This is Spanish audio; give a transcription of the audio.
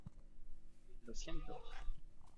lo siento.